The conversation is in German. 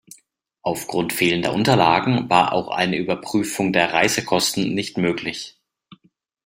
Aufgrund fehlender Unterlagen war auch eine Überprüfung der Reisekosten nicht möglich.